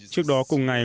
trước đó cùng ngày